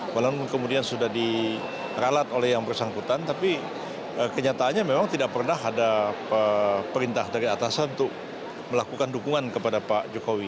walaupun kemudian sudah diralat oleh yang bersangkutan tapi kenyataannya memang tidak pernah ada perintah dari atasan untuk melakukan dukungan kepada pak jokowi